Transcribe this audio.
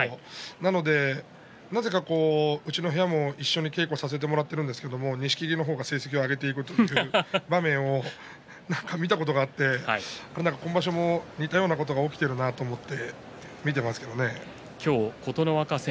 なので、なぜかうちの部屋も一緒に稽古させてもらってるんですけれども錦木の方が成績を上げていくという場面を見ることがあって今場所も似たようなことが起こってるなと見ていますね。